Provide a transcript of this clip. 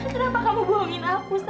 kenapa kamu bohongin aku sat